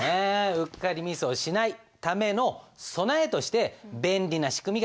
うっかりミスをしないための備えとして便利な仕組みがあるんです。